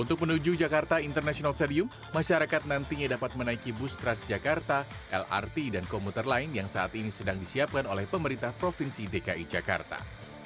untuk menuju jakarta international stadium masyarakat nantinya dapat menaiki bus transjakarta lrt dan komuter lain yang saat ini sedang disiapkan oleh pemerintah provinsi dki jakarta